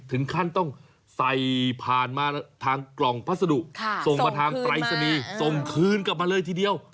ถึงขั้นต้องใส่ผ่านมาทางกล่องพัสดุส่งมาทางปรายศนีย์ส่งคืนกลับมาเลยทีเดียว